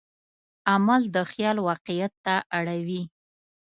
عمل د خیال واقعیت ته اړوي.